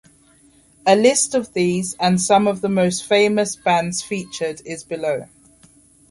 A list of these and some of the most famous bands featured is below.